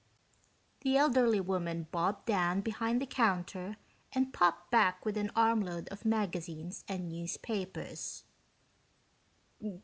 The elderly woman bobbed down behind the counter and popped back up with an armload of magazines and newspapers.